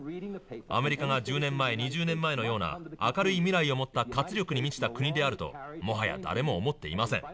アメリカが１０年前２０年前のような明るい未来を持った活力に満ちた国であるともはや誰も思っていません。